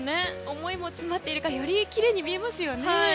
思いも詰まっているからよりきれいに見えますね。